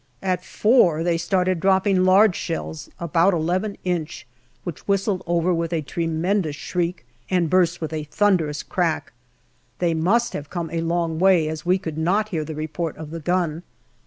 At four they started dropping large shells, about n inch, which whistled over with a tremendous shriek and burst with a thunderous crack. They must have come a long way, as we could not hear the report of the gun.